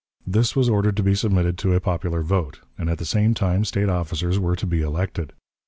This was ordered to be submitted to a popular vote, and at the same time State officers were to be elected.